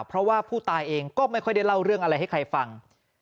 เพราะว่าผู้ตายเองก็ไม่ค่อยได้เล่าเรื่องอะไรให้ใครฟัง